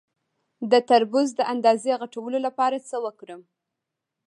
د تربوز د اندازې غټولو لپاره څه وکړم؟